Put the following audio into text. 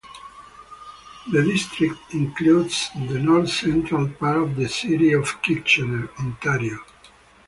The district includes the north-central part of the city of Kitchener, Ontario.